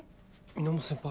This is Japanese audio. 源先輩？